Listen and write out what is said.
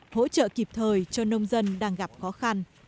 hỗ trợ kịp thời cho nông dân đang gặp khó khăn